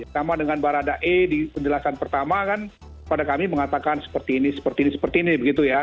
sama dengan baradae di penjelasan pertama kan pada kami mengatakan seperti ini seperti ini seperti ini begitu ya